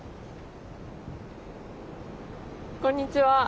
こんにちは。